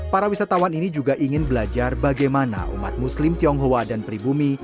para wisatawan ini juga ingin belajar bagaimana umat muslim tionghoa dan pribumi